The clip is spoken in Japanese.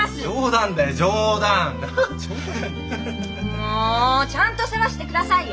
もうちゃんと世話してくださいよ！